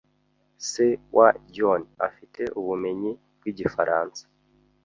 Se wa John afite ubumenyi bwigifaransa.